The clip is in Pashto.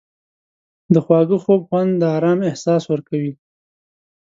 د خواږه خوب خوند د آرام احساس ورکوي.